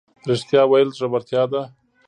ریښتیا ویل زړورتیا ده